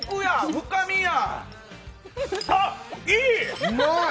深みや！